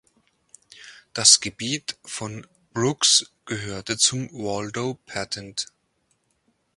Das Gebiet von Brooks gehörte zum Waldo Patent.